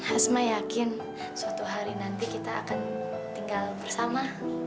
hasma yakin suatu hari nanti kita akan tinggal bersama